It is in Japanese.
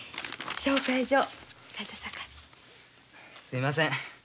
すみません。